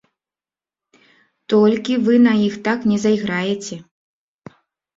Толькі вы на іх так не зайграеце.